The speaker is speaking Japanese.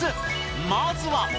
まずは。